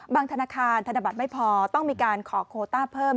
ธนาคารธนบัตรไม่พอต้องมีการขอโคต้าเพิ่ม